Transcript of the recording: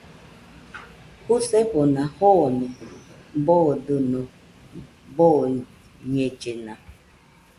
Jusefona jone boodɨno, dooñellena.